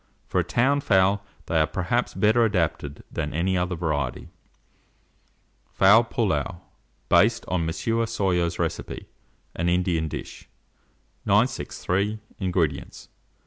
For a town fowl, they are perhaps better adapted than any other variety. FOWL PILLAU, based on M. Soyer's Recipe (an Indian Dish). 963. INGREDIENTS.